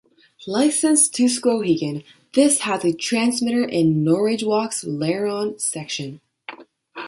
Licensed to Skowhegan, this has a transmitter in Norridgewock's Larone section.